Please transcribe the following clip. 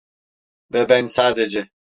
Ve ben sadece…